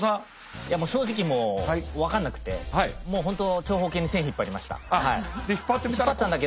いやもう正直もう分かんなくてもう本当長方形に線引っ張りました。